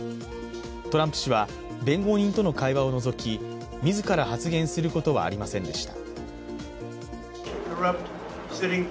トランプ氏は弁護人との会話を除き、自ら発言することはありませんでした。